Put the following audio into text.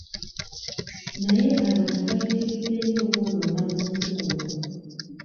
Naye abantu bayitiridde nnyo okwonoona ku nsi kuno.